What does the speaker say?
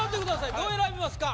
どう選びますか？